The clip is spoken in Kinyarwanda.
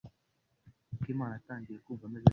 Akimana atangiye kumva ameze neza.